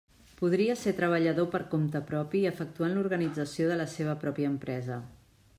Podria ser treballador per compte propi efectuant l'organització de la seva pròpia empresa.